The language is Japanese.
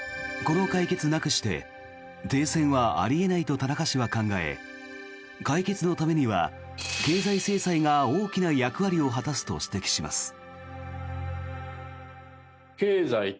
この解決なくして停戦はあり得ないと田中氏は考え解決のためには経済制裁が大きな役割を果たすと指摘します。